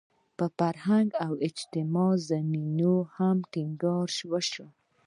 پر فرهنګي او اجتماعي زمینو یې هم ټینګار شوی.